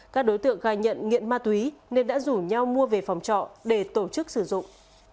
các đối tượng gài nhận nghiện ma túy nên đã rủ nhau mua về phòng trọ để tổ chức sử dụng